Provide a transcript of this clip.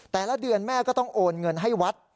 แต่ละเดือนแม่ก็ต้องโอนเงินให้วัด